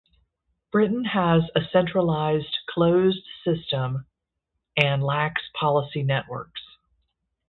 Britain has a centralized, closed system and lacks policy networks.